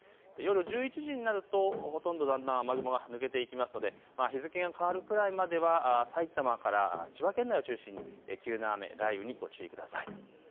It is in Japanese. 夜１１時になると、ほとんどだんだん雨雲が抜けていきますので日付が変わるくらいまでは埼玉から千葉県内を中心に急な雨、雷雨にご注意ください。